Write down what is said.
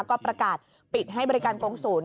ก็ประกาศปิดให้บริการกงศูนย์